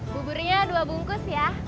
buburinya dua bungkus ya